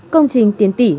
công trình tiến tỉ